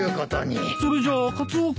それじゃあカツオ君の。